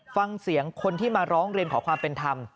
ฟังเสียงคนที่มาร้องเรียนขอความเป็นธรรม